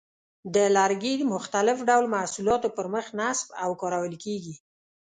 د لرګي مختلف ډول محصولاتو پر مخ نصب او کارول کېږي.